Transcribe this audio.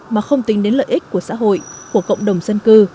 mà không tính đến lợi ích của xã hội của cộng đồng dân cư